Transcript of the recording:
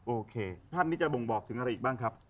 โอเคภาพนี้จะบ่งบอกถึงอะไรอีกบ้างครับ